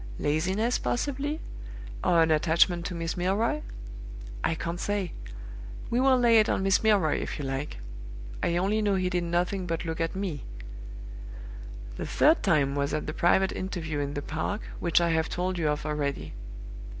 Laziness, possibly? or an attachment to Miss Milroy? I can't say; we will lay it on Miss Milroy, if you like; I only know he did nothing but look at me. The third time was at the private interview in the park, which I have told you of already.